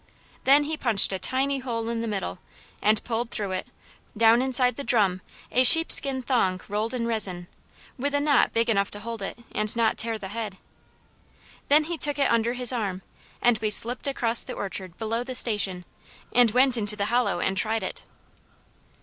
Then he punched a tiny hole in the middle, and pulled through it, down inside the drum, a sheepskin thong rolled in resin, with a knot big enough to hold it, and not tear the head. Then he took it under his arm and we slipped across the orchard below the Station, and went into the hollow and tried it.